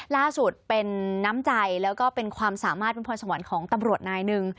ล่าสุดเป็นน้ำใจแล้วก็เป็นความสามารถเป็นพรสวรรค์ของตำรวจนายหนึ่ง